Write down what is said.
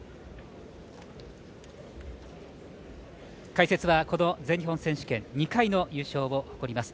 解説は、この全日本選手権２回の優勝を誇ります。